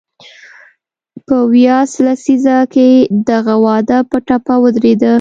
په ویاس لسیزه کې دغه وده په ټپه ودرېده.